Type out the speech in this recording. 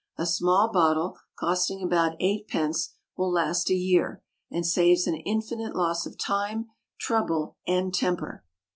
A small bottle, costing about eightpence, will last a year, and saves an infinite loss of time, trouble, and temper.